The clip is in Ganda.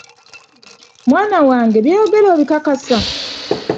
Mwana wange by'oyogera obikakasa?